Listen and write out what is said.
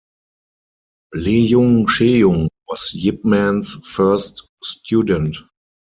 Leung Sheung was Yip Man's first student.